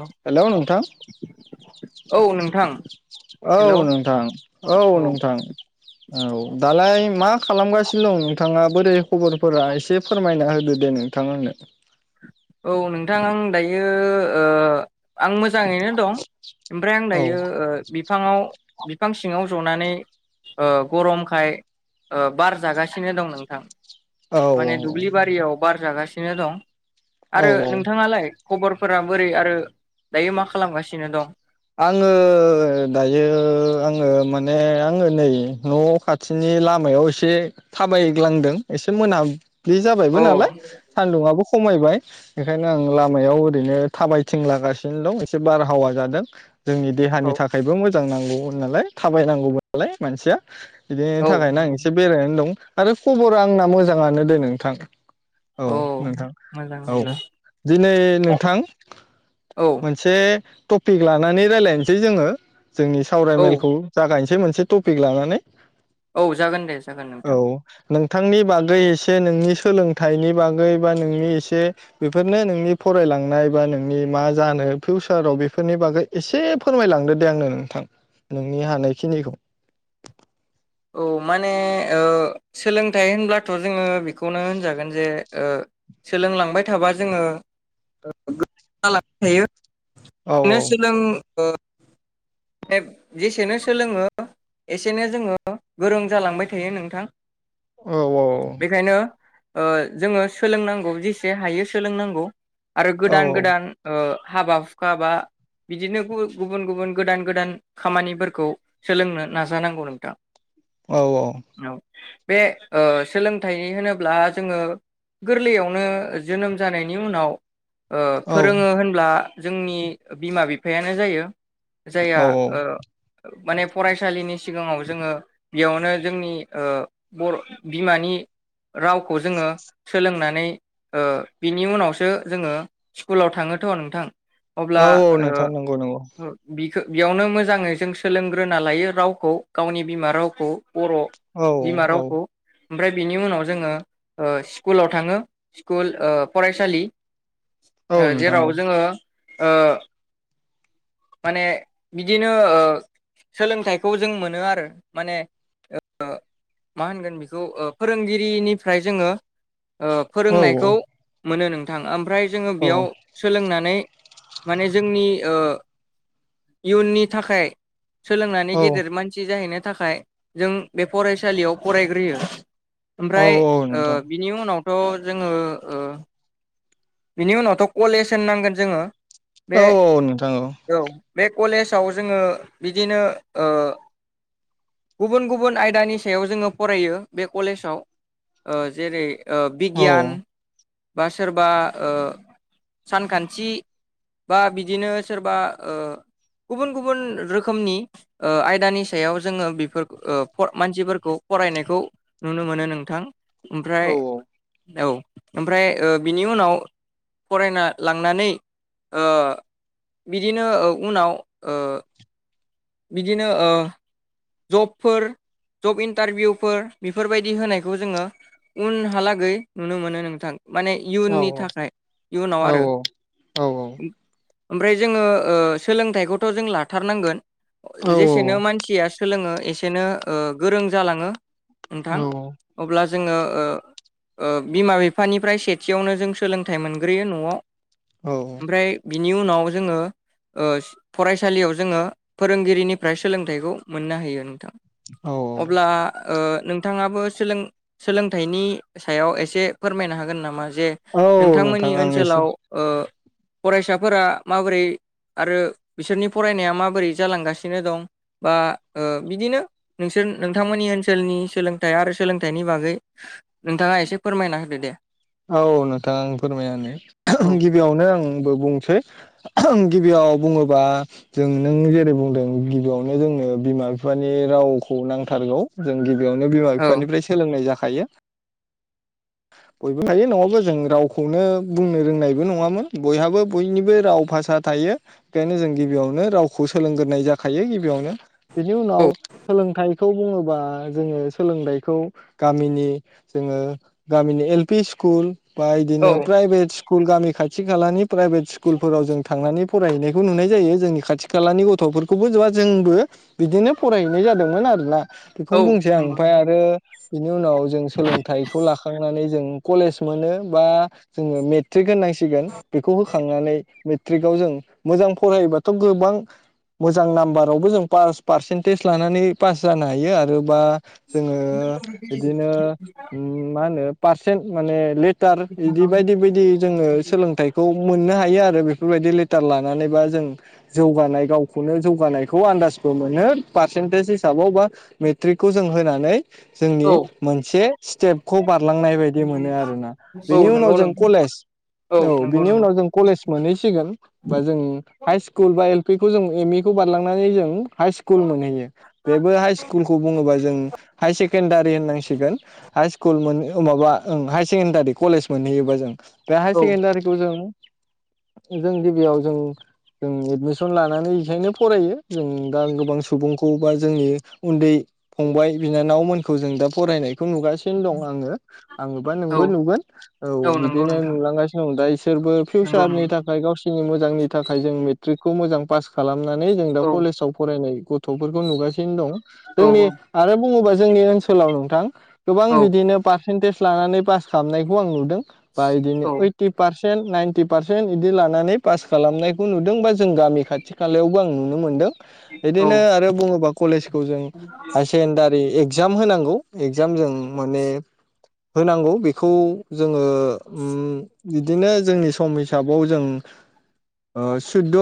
औ हेलौ नोंथां औ नोंथां औ हेलौ नोंथां औ नोंथां। औ दालाय मा खालामगासिनो दं नोंथाङा बोरै खबरफोरा एसे फोरमायना होदो दे नोंथां आंनो? औ नोंथां आं दायो ओ आं मो मोजांयै दं आमफ्राय आं औ दायो ओ बिफांआव बिफां सिंआव ज'नानै ओ गरमखाय ओ बार जागासिनो दं नोंथां। माने दुब्लि औ बारियाव बार जागासिनो। थिगानो दं। आरो औ औ नोंथाङालाय खबर फोरा बोरै आरो दायो मा खालामगासिनो दं? आङो दायो आङो माने आङो नै न' खाथिनि लामायाव एसे थाबायग्लांदों एसे मोना बि जाबायबो अ नालाय सान्दुंङाबो खमायबाय बेखायनो आं लामायाव ओरैनो थाबायथिं लागासिनो दं एसे बारहावा जादों। [inaudible] जोंनि औ देहानि थाखायबो मोजां नांगौ। नालाय थाबायनांगौबालाय मानसिया। बिदिनि औ थाखायनो आं नंगौ एसे बेरायनानै दं। आरो खबरा आंना मोजाङानो दे नोंथां। औ नोंथां मोजां औ अब्ला दिनै नोंथां औ मोनसे। थफिख लानानै रायज्लायनोसै जोङो। जोंनि औ सावरायमेलखौ जागायननोसै मोनसे मोनसे टपिक लानानै। औ जागोन दे जागोन औ नोंथां। नोंथांनि बागै एसे नोंनि सोलोंथाइनि बागै बा नोंनि एसे बेफोरनो नोंनि फरायलांनाय बा नोंनि मा जानो फिउचाराव बेफोर। फोरनि बागै एसे फोरमायलांदो दे आंनो नोंथां नोंनि हानायखिनिखौ। औ माने ओ सोलोंथाइ होनब्लाथ' जोङो बिख खौनो होनजागोन जे। ओ सोलोंलांबाय थाबा जोङो गो गालांबाय थायो। औ नो सोलों। ओ जेसेनो सोलोङो एसेनो जोङो। ओ गोरों जालांबाय थायो नोंथां। औ औ। बेखायनो ओ जोङो सोलोंनांगौ जेसे हायो सोलोंनांगौ। आरो औ गोदान गोदान ओ। हाबा हुखा बा बिदिनो गुबुन गुबुन गोदान गोदान खामानिफोरखौ सोलोंनो नाजानांगौ नोंथां। औ औ। बे ओ सोलोंथाइ होनोब्ला जोङो गोरलैयावनो जोनोम जानायनि उनाव। ओ औ फोरोङो होनब्ला। जोंनि बिमा बिफायानो जायो। औ जायहा ओ। माने फरायसालिनि सिगाङाव जोङो। बियावनो जोंनि ओ बर' बिमानि रावखौ जोङो सोलोंनानै ओ बिनि उनावसो जोङो स्कुलाव थाङोथ नोंथां। औ औ नोंथां नोंगौ नोंगौ। खो बियावनो मोजाङै जों सोलोंग्रोना लायो रावखौ गावनि बिमा रावख खौ। बर' औ बिमा औ रावखौ। ओमफ्राय बिनि उनाव जोङो ओ स्कुलाव थाङो स्कुल ओ फरायसालि। औ नोंथां जेराव औ जोङो। ओ माने बिदिनो ओ सोलोंथाइखौ जों मोनो आरो। माने ओ मा होनगोन बेखौ फोरोंगिरिनिफ्राय जोंङो। ओ औ फोरोंनायखौ। मोनो नोंथां ओमफ्राय। जोङो औ बियाव सोलोंनानै माने जोंनि ओ। इयुननि थाखाय। सोलोंनानै औ गेदेर मानसि जाहैनो थाखाय जों बे फरायसालियाव फरायग्रोयो। औ ओमफ्राय औ ओ नोंथां बिनि उनावथ थ जोङो ओ। बिनि उनावथ कलेज होन नांगोन जोङो। बे औ औ नोंथां औ। कलेजाव जोङो बिदिनो ओ गुबुन गुबुन आयदानि सायाव जोङो फरायो बे कलेजाव ओ जेरै ओ औ बिगियान बा सोरबा ओ सानखान्थि बा बिदिनो सोरबा ओ गुबुन गुबुन रोखोमनि ओ आयदानि सायाव जोङो बेफोर फ ओ मानसिफोरखौ फरायनायखौ नुनो मोनो नोंथां ओमफ्राय औ औ ओमफ्राय ओ बिनि उनाव फरायना लांनानै ओ बिदिनो ओ उनाव ओ बिदिनो ओ जबफोर जब इन्टारभिउफोर बेफोरबायदि होनायखौ जोङो उनहालागै नुनो मोनो नोंथां माने औ इयुननि थाखाय इयुनाव औ आरो औ ओमफ्राय जोङो ओ सोलोंथाइखौथ' जों लाथारनांगोन औ जेसेनो मानसिया सोलोङो एसेनो ओ गोरों जालाङो। नोंथां अब्ला जोङो ओ ओ बिमा बिफानिफ्राय सेथियावनो जों सोलोंथाइ मोनग्रोयो न'आव औ ओमफ्राय बिनि उनाव जोङो ओ फरायसालियाव जोङो फोरोंगिरिनिफ्राय सोलोंथाइखौ मोननो होयो नोंथां औ अब्ला ओ नों थाङाबो सोलों सोलोंथाइनि सायाव एसे फोरमायनो हागोन नामा? जे औ नोंथांमोननि नोंथां आं एसे ओनसोलाव ओ फरायसाफोरा माबोरै आरो बिसोरनि फरायनाया माबोरै जालांगासिनो दं बा ओ बिदिनो नोंसोर नोंथांमोननि ओनसोलनि सोलोंथाइ आरो सोलोंथाइनि बागै नोंथाङा एसे फोरमायना होदो दे। औ नोंथां फोरमायना औ होनि गिबियावनो आंबो बुंसै गिबियाव बुङोबा जों नों जेरै बुंदों गिबियावनो जोंनो बिमा बिफानि रावखौ नांथारगौ जों गिबि बियावनो बिमा औ बिफानिफ्राय सोलोंनाय जा खायो बयबो थायो नङाबा जों रावखौनो बुंनो रोंनायबो नङामोन बयहाबो बयनिबो राव भाषा थायो बेखायनो जों गिबियावनो रावखौ सोलोंगोरोनाय जाखायो गिबियावनो बिनि औ उनाव सोलोंथाइ खौ बुङोबा जोङो सोलोंथाइखौ गामिनि जोङो गामिनि एल पि स्कुल बा औ इदिनो प्राइभेटस स्कुल गामि खाथि खालानि प्राइभेट स्कुलफोराव जों थांनानै फरायहैनायखौ नुनाय जायो जोंनि खाथि खालानि गथ'फोरखौबो जोंबो बिदिनो फरायहैनाय जादोंमोन आरोना। औ बेखौनो बुंनोसै आं नंगौ ओमफाय आरो बिनि उनाव जों सोलोंथाइखौ लाखांनानै जों कलेज मोनोबा जोङो मे ट्रेक होनांसिगोन बेखौ हो थांनानै मेट्रिकआव जों मोजां फरायोबाथ' गोबां मोजां नाम्बारावबो जों पास पारसेन्टेज लानानै पास जानो हायो आरो दा जोङो बिदिनो मा होनो सेन माने लेटार बिदि बायदि बायदि जोङो सोलोंथाइखौ मोननो हायो आरो बेफोर बायदि लेटार लानानैबा जों जौगानाय गावखौनो जौगानायखौ आन्दाजबो मोनो पारसेन्टेज हिसाबाव बा मेट्रिकखौ जों होनानै नै जोंनि औ मोनसे स्टेपखौ बारलांनाय बायदि। बि मोनो आरोना औ बिनि उनाव नंगौ जों नोंथां कलेज औ नंगौ बिनि नंगौ उनाव जों कलेज मोनहैसिगोन बा जों हाइ स्कुल बा एल पि खौ जों एम इ खौ बारलांनानै जों हाइ स्कुल मोनहैयो बेबो हाइ स्कुलखौ बुङोबा जों हायार सेकेणडारि होननांसिगोन हाइ स्कुल मोन माबा ओं हायार सेकेण्डारि कलेज मोनहैयोबा जों आमफ्राय हाई औ सेकेडारिखौ जों जों गिबियाव जों जों एदमिसन लानानै बेखायनो फरायो जों दा गोबां सुबुंखौ बा जोंनि उन्दै फंबाय बिनानावमोनखौ जों दा फरायनाय नुगासिनो दं आङो। आङोबा औ नोंबो नुगोन औ नंगौ बिदिनो नोंथां नुलांगासिनो दं दा इसोरबो नंगौ फिउसारनि नंगौ थाखाय गावसिनि मोजांनि थाखाय जों मेट्रिक खौ मोजां पास खालामनानै जों दा औ कलेजाव फरायनाय गथ'फोरखौ नुगासिनो दं। औ जोंनि आरो बुङोबा जोंनि ओनसोलाव नोंथां। गोबां औ बिदिनो पा पारसेन्टेज लानानै पास खालामनायखौ आं नुदों। बा इदिनो औ ओइटि फारस पारसेन्ट नाइनटि पारसेन्ट इदि लानानै पास खालामनायखौ नुदों बा जों गामि खाथि खालायावबो आं नुनो मोनदों। औ बिदिनो आरो बुङोबा कलेजखौ जों हाय सेकेणडारि एक इगजाम होनांगौ इगजाम जों माने होनांगौ बेखौ जोङो ओम बिदिनो जोंनि सम हिसाबाव जों सुद्द'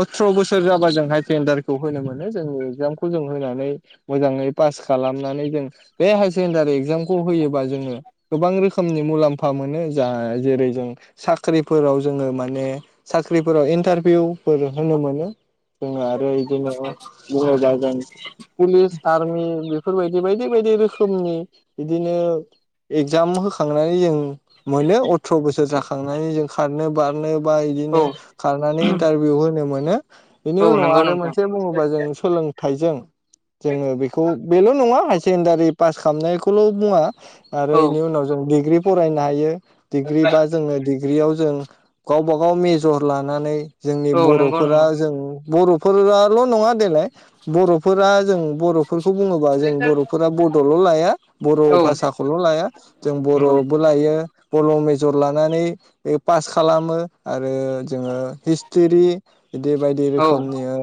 अथ्र' बोसोर जाबा जों हायार सेकेण्डारिखौ होनो मोनो जोंनि इगजामखौ जों होनानै मोजाङै पास खालामनानै जों बे हायार सेकेणडारि एक्जाम खौ होयोबा जोङो गोबां रोखोमनि मुलाम्फा मोनो जा जेरै जों साख्रिफोराव जोङो माने साख्रिफोराव इन्टारभिउफोर होनो मोनो। जोङो आरो इदि नो [unintelligible] पुलिस आर्मि बे बेफोरबायदि बायदि बायदि रोखोमनि बिदिनो एगजाम होखांनानै जों मोनो अथ्र' बोसोर जाखांनानै जों खारनो बार [unintelligible] औ बायदिनो खारनानै इन्टारभिउ होनो मोन नो बेनि औ उनाव नंगौ आरो नोंथां मोनसे बुङोबा जों सोलोंथाइजों जोङो बेखौ बेल' नङा हाय सेकेण्डारि पास खालामनाय खौ खौल' बुङा। आरो औ इनि उनाव जों डिग्री फरायनो हायो। डिग्रि बा जोङो दिग ग्रियाव जों गावबा गाव मेजर लानानै जोंनि औ नंगौ बर'फोरा नंगौ जों बर'फोराल' नङा देलाय बर'फोरा जों बर' फोरखौ बुङोबा जों बर'फोरा बड'ल' लाया बर' औ भासाखौल' लाया जों नंगौ बर'बो लायो बर' मेजर लानानै ऐ पास खालामो आरो जोङो हिस्टिरि बेबादि रोखोमनि औ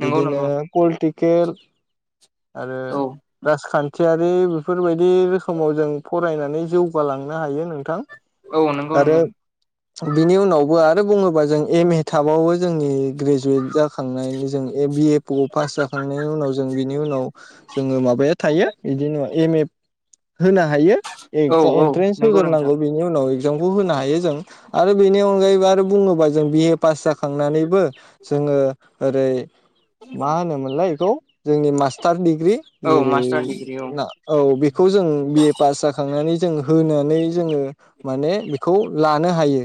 नंगौ बिदिनो नंगौ पलटिक गेल आरो औ राजखान्थि थियारिबो बेफोरबायदि रोखोमाव जों फरायनानै जौगालांनो हायो नोंथां। औ नंगौ आरो नंगौ बिनि उनावबो आर आरो बुङोबा जों एम ए थाबावबो जोंनि ग्रेजुवेट जाखांनायनि जों ए बि ए ब पास जाखांनायनि उनाव जों बिनि उनाव जोङो माबाया थायो बिदि ना होनो हायो औ एग्जा औ एन्ट्रेन्स नंगौ नोंथां होग्रोनांगौ बेनि उनाव एगजाम खौ होनो हायो जों आरो बेनि अनगायैबो आरो बुङोबा जों बि ए पास जाखांनानैबो जोङो ओरै मा होनोमोनलाय इखौ जोंनि मास टार डिग्रि औ जेरै मास्टार डिग्रि औ ना औ बेखौ जों बिए पास जाखांनो जों होनानै जोङो माने बेखौ लानो हायो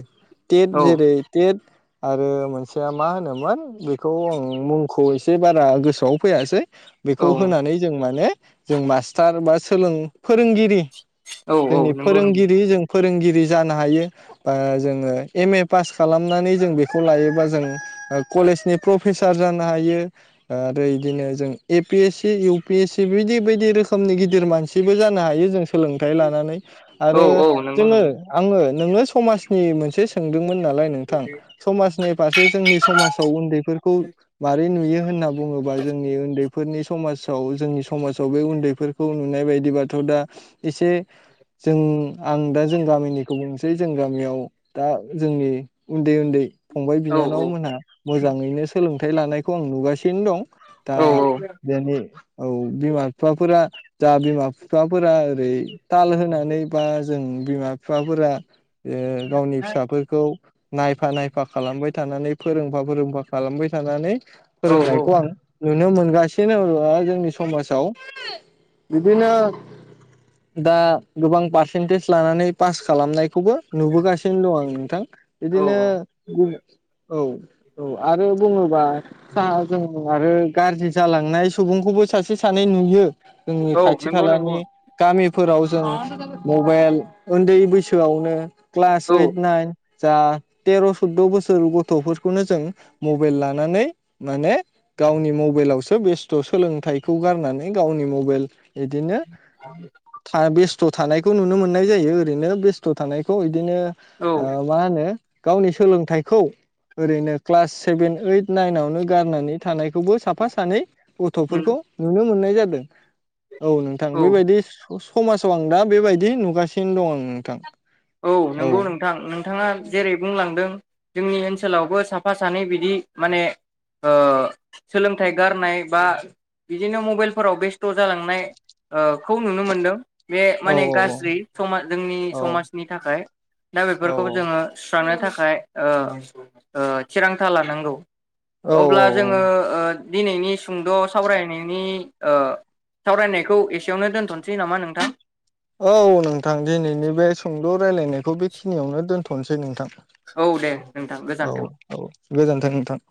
टेट औ जेरै टेट आरो मोनसेया मा होनोमोन बेखौ आं मुंखौ एसे बारा गोसोआव फैयासै औ बेखौ होनानै जों माने जों मास टार बा सोलों फोरोंगिरि औ औ जोंनि नंगौ नंगौ फोरोंगिरि जों फोरोंगिरि जानो हायो ब जोङो एम ए पास खालामनानै जों बेखौ लायोबा जों कलेजनि प्रफेसार जानो हायो आरो बिदिनो जों A P S C U P S C बिदि बायदि रोखोम रोखोमनि गिदिर मानसिबो जानो हायो जों सोलोंथाइ लानानै औ आरो औ नंगौ जोङो नंगौ आङो नोङो समाजनि मोनसे सोंदोंमोन नालाय नोंथां समाजनि फारसे जोंनि समाजाव उन्दैफोरखौ मारै नुयो होन्ना बुङोबा जोंनि उन्दै फोरनि समाजाव जोंनि समाजाव बे उन्दै फोरफोरखौ नुनाय बायदिबाथ' दा एसे जों आं दा जों गामिनिखौ बुंनोसै जै जों गामियाव दा जोंनि उन्दै उन्दै फंबाय औ बिनानाव मोनहा मोजाङैनो सोलों थाय लानायखौ आं नुगासिनो दं दा औ बेनि औ बिमा बिफाफोरा जा बिमा बिफाफोरा ओरै ताल होनानै बा जों बिमा बिफाफोरा गावनि फिसाफोरखौ नायफा नायफा खालामबाय। थानानै फोरोंफा फोरोंफा खालामबाय थानानै। औ फोरनायखं आं नुनो मोनगासिनो जोंनि समाजाव बिदिनो दा गोबां पारसेन्टेज लानानै पास खालामनाय बे खौबो नुबोगासिनो दं आं नोंथां औ बिदिनो गुबुन औ। औ आरो बुङोबा [unintelligible] गाज्रि जालांनाय सुबुंखौबो सासे सानै नुयो जोंनि औ खाथि नंगौ नंगौ खालानि गामि फोराव जों मबेल ओन्दै बैसोआवनो क्लास औ ओइट नाइन जा तेर' सुदद' बोसोर गथ'फोरखौनो जों मबेल लानानै माने गावनि मबेलावसो बेस्थ' सोलोंथाइखौ गारनानै गावनि म [inaudible] बिदिनो [inaudible] थ' थानायखौ नुनो मोननाय जायो ओरैनो बेस्थ' थानायखौ। बिदिनो औ मा ओ होनो गावनि सोलोंथाइखौ ओरैनो क्लास सेभेन ओइट नाइनावनो गारनानै थानाय खौबो साफा सानै गथ'फोरखौ नुनो मोननाय जादों। औ नोंथां औ बेबायदि स'स समाजाव आं दा बेबायदि नुगासिनो दं आं नोंथां औ नंगौ नोंथां नोंथाङा जेरै बुंलांदों जोंनि ओनसोलावबो साफा सानै बिदि माने ओ सोलोंथाइ गारनाय बा बिदिनो मबाइलफोराव बेस्थ' जालांनाय ओ खौ नुनो मोनदों। बे औ माने गाज्रि समाज जोंनि औ समाज नि थाखाय दा औ बेफोरखौ जोङो सुस्रानो थाखाय ओ ओ थिरांथा लानांगौ। औ अब्ला जोङो ओ दिनैनि सुंद' सावरायनायनि ओ सावरायनायखौ एसेयावनो दोनथ'सै नामा नोंथां? औ नोंथां दिनैनि बे सुंद' रायलायनायखौ बेखिनियावनो दोनथ'नोसै नोंथां। दे नोंथां औ गोजोन्थों औ गोजोनथों नोंथां।